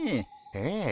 ええ。